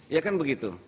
ya kan begitu